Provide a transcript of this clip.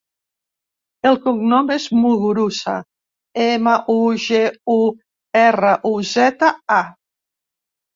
El cognom és Muguruza: ema, u, ge, u, erra, u, zeta, a.